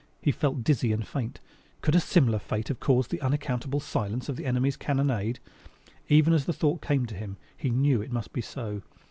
He felt dizzy and faint. Could a similar fate have caused the unaccountable silence of the enemy's cannonade? Even as the thought came to him, he knew it must be so.